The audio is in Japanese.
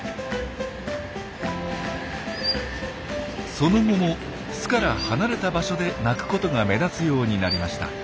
その後も巣から離れた場所で鳴くことが目立つようになりました。